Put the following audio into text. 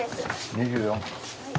２４。